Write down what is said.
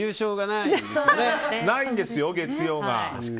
ないんですよ、月曜が。